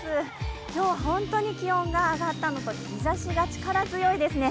今日は本当に気温が上がったのと日ざしが力強いですね。